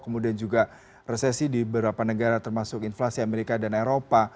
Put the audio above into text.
kemudian juga resesi di beberapa negara termasuk inflasi amerika dan eropa